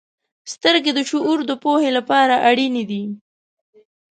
• سترګې د شعور د پوهې لپاره اړینې دي.